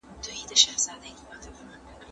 په قلم خط لیکل د خلګو د ویښولو لپاره کارول کیدای سي.